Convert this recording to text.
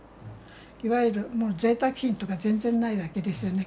いわゆるもうぜいたく品とか全然ないわけですよね。